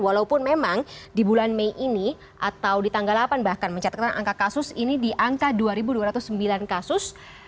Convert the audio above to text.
walaupun memang di bulan mei ini atau di tanggal delapan bahkan mencatatkan angka kasus ini di angka dua dua ratus sembilan kasus